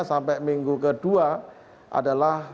sampai minggu kedua adalah